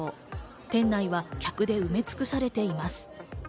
店内は客で埋めつくされています。